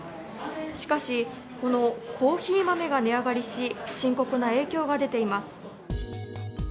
しかし、このコーヒー豆が値上がりし、深刻な影響が出ています。